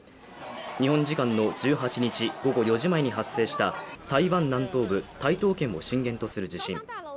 日本時間の１８日午後４時前に発生した台湾南東部台東県を震源とする地震。